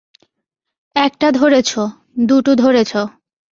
একটা ধরেছ, দুটো ধরেছ।